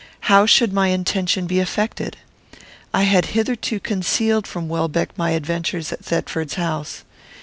How should my intention be effected? I had hitherto concealed from Welbeck my adventures at Thetford's house.